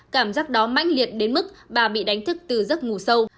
cảm giác đó mãnh liệt đến mức bà bị đánh thức từ giấc ngủ sâu